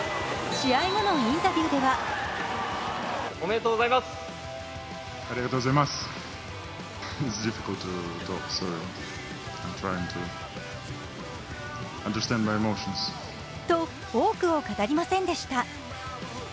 試合後のインタビューではと多くを語りませんでした。